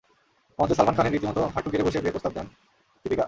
মঞ্চে সালমান খানের সামনে রীতিমতো হাঁটু গেড়ে বসে বিয়ের প্রস্তাব দেন দীপিকা।